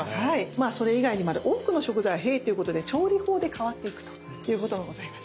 まあそれ以外にまだある多くの食材は「平」ということで調理法で変わっていくということがございます。